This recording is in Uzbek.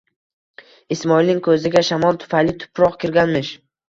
Ismoilning ko'ziga shamol tufayli tuproq kirganmish